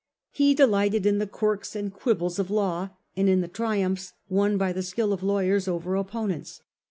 He de lighted in the quirks and quibbles of law, and in the triumphs won by the skill of lawyers over opponents.